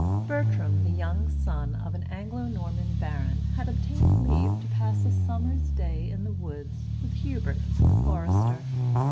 Bertram, the young son of an Anglo Norman baron, had obtained leave to pass a summer's day in the woods with Hubert, the forester.